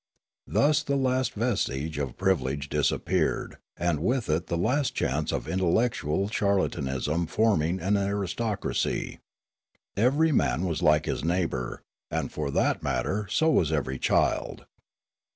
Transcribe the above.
Thus the last vestige of privilege disappeared, and with it the last chance of intellectual charlatanism forming an aristocracy. Every man was like his neighbour, and for that matter so was every child.